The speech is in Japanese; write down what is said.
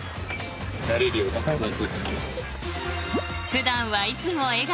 ［普段はいつも笑顔］